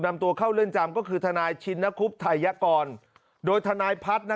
นำตัวเข้าเรือนจำก็คือทนายชินคุบไทยกรโดยทนายพัฒน์